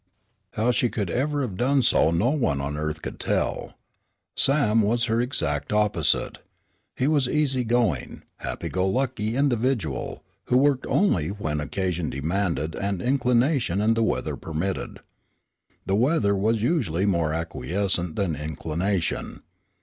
How she could ever have done so no one on earth could tell. Sam was her exact opposite. He was an easy going, happy go lucky individual, who worked only when occasion demanded and inclination and the weather permitted. The weather was usually more acquiescent than inclination.